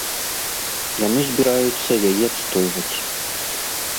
Яны збіраюцца яе адстойваць.